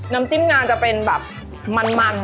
น้ำจิ้มงานจะเป็นแบบมัน